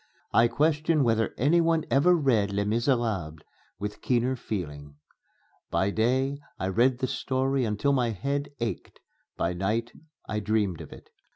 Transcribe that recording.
I question whether any one ever read "Les Misérables" with keener feeling. By day I read the story until my head ached; by night I dreamed of it.